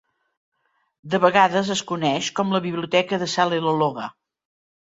De vegades es coneix com la Biblioteca de Salelologa.